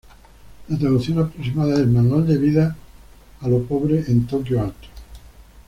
La traducción aproximada es "Manual de vida a lo pobre en Tokyo Alto".